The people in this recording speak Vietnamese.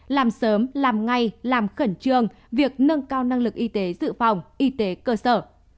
làm sớm làm ngay làm khẩn trương việc nâng cao năng lực y tế dự phòng y tế cơ sở